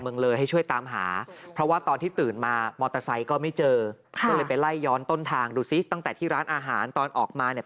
เพราะว่าตอนที่ตื่นมามอเตอร์ไซค์ก็ไม่เจอดูซิตั้งแต่ที่ร้านอาหารตอนออกมาเนี่ย